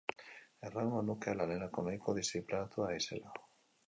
Errango nuke lanerako nahiko diziplinatua naizela.